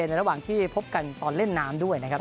ในระหว่างที่พบกันตอนเล่นน้ำด้วยนะครับ